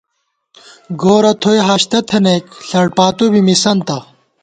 گورہ تھوئی ہاشتہ تھنَئیک ݪڑ پاتُو بی مِسنتہ